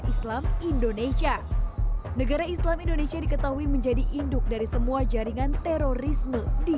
islam indonesia negara islam indonesia diketahui menjadi induk dari semua jaringan terorisme di